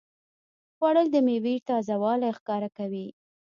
خوړل د میوې تازهوالی ښکاره کوي